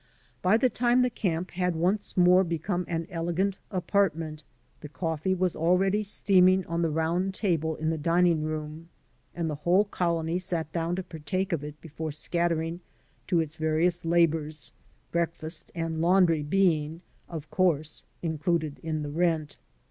By the time the camp had once more become an elegant apartment, the coffee was already steaming on the round table in the dining room, and the whole colony sat down to partake of it before scattering to its various labors, breakfast and laimdry being, of course, included in the rent.